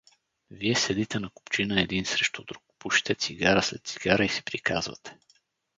Вие седите на купчина един срещу друг, пушите цигара след цигара и си приказвате.